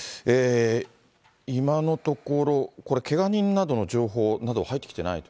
今のところ、これ、けが人などの情報は入ってきてないと。